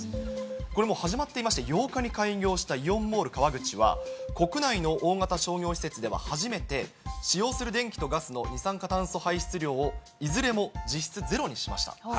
これもう始まっていまして、８日に開業しましたイオンモール川口は、国内の大型商業施設では初めて、使用する電気とガスの二酸化炭素排出量をいずれも実質ゼロにしました。